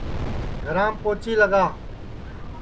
گھرام پوچی لگا